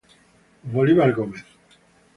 Bolívar Gómez